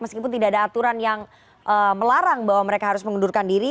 meskipun tidak ada aturan yang melarang bahwa mereka harus mengundurkan diri